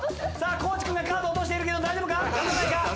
地君がカード落としてるけど大丈夫か？